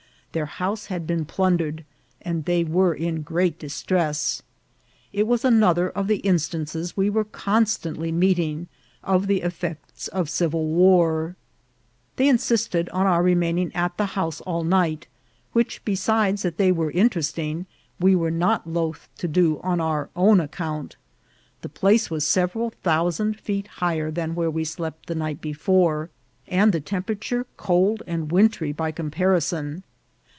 Their house had been plundered, and they were in great distress. It was another of the instances we were constantly meeting of the effects of civil war. They insisted on our remaining at the house all night, which, besides that they were interesting, we were not loth to do on our own account. The place was several' thousand feet higher than where we slept the night before, and the temperature cold and wintry by comparison.